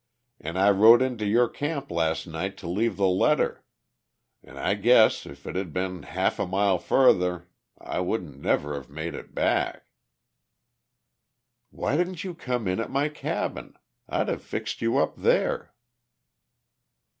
An' I rode into your camp las' night to leave the letter. An' I guess if it had been half a mile fu'ther I wouldn't never have made it back." "Why didn't you come in at my cabin? I'd have fixed you up there."